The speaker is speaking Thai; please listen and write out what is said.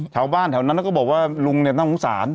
ชาวบ้านแถวนั้นก็บอกว่าลุงน่ะงุสาน